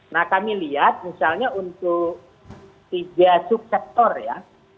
nah kami lihat misalnya untuk tiga subsektor ya